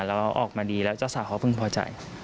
แล้วออกมาดีแล้วเจ้าสาวเขาเพิ่งพอใจ